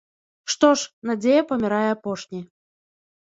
Што ж, надзея памірае апошняй.